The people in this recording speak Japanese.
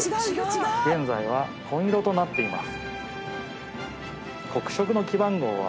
現在は紺色となっています。